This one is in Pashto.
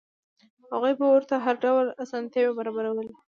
هغوی به ورته هر ډول اسانتیاوې برابرولې.